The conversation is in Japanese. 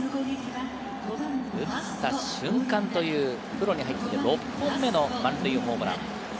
打った瞬間というプロに入って６本目の満塁ホームラン。